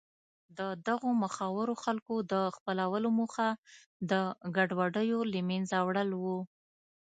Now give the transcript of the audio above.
د دغو مخورو خلکو د خپلولو موخه د ګډوډیو له منځه وړل و.